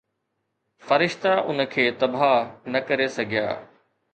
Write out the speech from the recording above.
فرشتا ان کي تباهه نه ڪري سگهيا